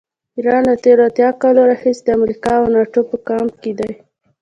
ایران له تېرو اتیا کالو راهیسې د امریکا او ناټو په کمپ کې دی.